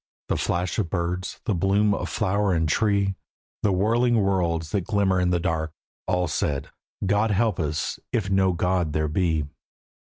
The flash of birds, the bloom of flower and tree, The whirling worlds that glimmer in the dark, All said: "God help us if no God there be."